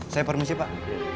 saya permisi pak